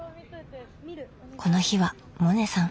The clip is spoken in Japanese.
この日は萌音さん。